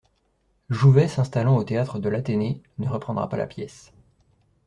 Jouvet s’installant au théâtre de l’Athénée, ne reprendra pas la pièce.